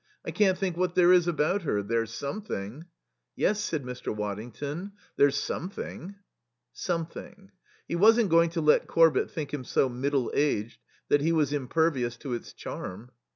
I can't think what there is about her. There's something." "Yes," said Mr. Waddington, "there's something." Something. He wasn't going to let Corbett think him so middle aged that he was impervious to its charm.